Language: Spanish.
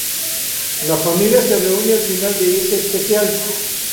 La familia se reúne al final de ese especial.